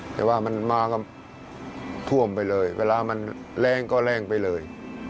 แต่ว่ามันมาก็ท่วมไปเลยเวลามันแรงก็แรงไปเลย